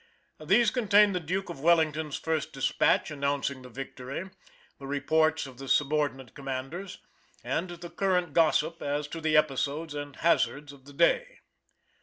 These contained the Duke of Wellington's first despatch announcing the victory, the reports of the subordinate commanders, and the current gossip as to the episodes and hazards of the day.